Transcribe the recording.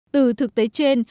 từ thực tế trên